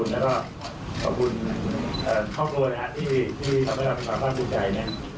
แล้วก็ขอบคุณครอบครัวที่ทำให้เราเป็นฝากบ้านผู้ใจ